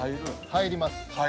入ります。